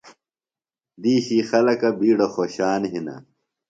دِیشی خلکہ بِیڈہ خوشان ہِنہ۔